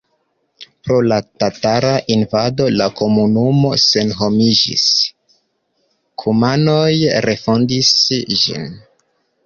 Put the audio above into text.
Pro la tatara invado la komunumo senhomiĝis, kumanoj refondis ĝin.